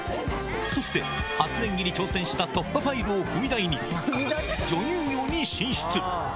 そして、初演技に挑戦した突破ファイルを踏み台に、女優業に進出。